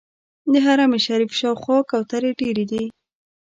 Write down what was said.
د حرم شریف شاوخوا کوترې ډېرې دي.